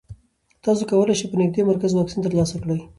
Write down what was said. تاسو کولی شئ په نږدې مرکز واکسین ترلاسه کړئ.